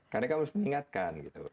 karena kamu harus mengingatkan gitu